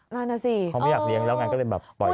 นั่นสิเขาไม่อยากเลี้ยงแล้วงั้นก็เลยแบบปล่อยอีก